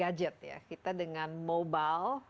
pakai dalam aplikasi yang banyak juga